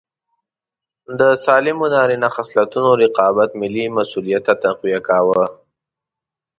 د سالمو نارینه خصلتونو رقابت ملي مسوولیت تقویه کاوه.